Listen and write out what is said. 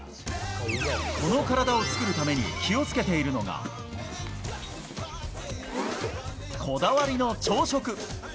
この体を作るために気をつけているのが、こだわりの朝食。